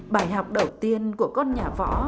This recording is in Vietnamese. bài học đầu tiên của con nhà võ